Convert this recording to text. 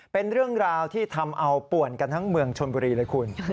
เป็นเรื่องราวที่ทำเอาป่วนกันทั้งเมืองชนบุรีเลยคุณ